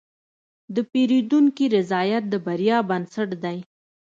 د پیرودونکي رضایت د بریا بنسټ دی.